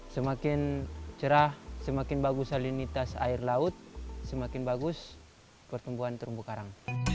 semakin cerah semakin bagus salinitas air laut semakin bagus pertumbuhan terumbu karang